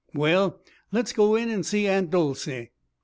Well let's go in and see Aunt Dolcey."